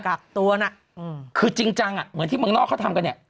กักตัวน่ะอืมคือจริงจังอ่ะเหมือนที่เมืองนอกเขาทำกันเนี่ย